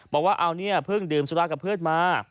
บอกว่าเอาเนี่ยเพิ่งดื่มสุรากับเพื่อนมา